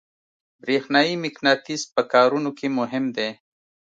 برېښنایي مقناطیس په کارونو کې مهم دی.